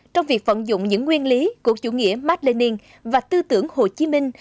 trong việc phận dụng những nguyên lý của chủ nghĩa mát lê niên và tư tưởng hồ chí minh